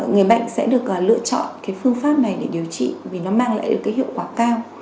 người bệnh sẽ được lựa chọn phương pháp này để điều trị vì nó mang lại hiệu quả cao